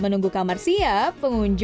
menggunakan gaya capek next